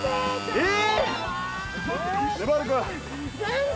えっ。